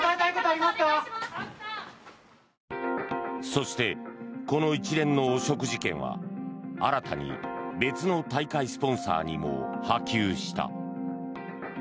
そして、この一連の汚職事件は新たに別の大会スポンサーにも波及した。